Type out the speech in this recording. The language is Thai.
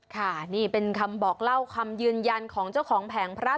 ค่ะนี่เป็นคำบอกเล่าคำยืนยันของเจ้าของแผงพระ